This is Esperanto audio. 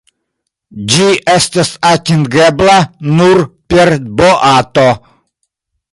Ĝi estas atingebla nur per boato.